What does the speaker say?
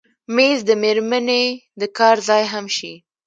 مېز د مېرمنې د کار ځای هم شي.